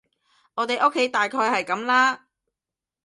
我哋屋企大概係噉啦